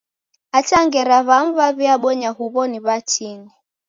Hata ngera w'amu w'aw'ibonya huw'o ni w'atini.